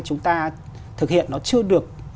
chúng ta thực hiện nó chưa được